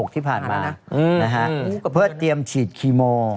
๖ที่ผ่านมานะครับเพื่อเตรียมฉีดคีโม